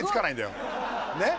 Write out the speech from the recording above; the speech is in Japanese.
ねっ。